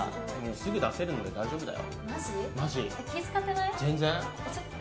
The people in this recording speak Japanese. すぐ出せるから大丈夫だよ。